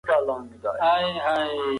کمپيوټر پوهنه زموږ د کارونو سرعت زیاتوي.